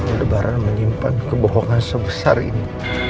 ada barang menyimpan kebohongan sebesar ini